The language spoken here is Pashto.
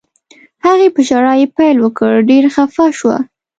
هغې په ژړا یې پیل وکړ، ډېره خفه شوه.